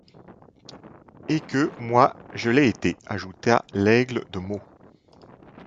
Et que, moi, je l’ai été, ajouta Laigle de Meaux.